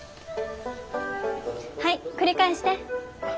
はい繰り返して。